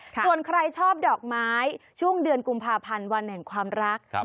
ส่วนใครชอบดอกไม้ช่วงเดือนกุมภาพันธ์วันแห่งความรัก